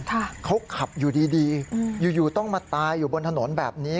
ค่ะเขาขับอยู่ดีดีอืมอยู่อยู่ต้องมาตายอยู่บนถนนแบบนี้